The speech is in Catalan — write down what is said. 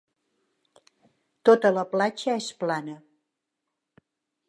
Tota la platja és plana.